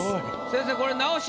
先生これ直しは？